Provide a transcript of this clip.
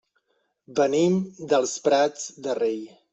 Venim dels Prats de Rei.